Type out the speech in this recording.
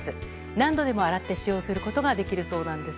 何度でも洗って使用することができるそうです。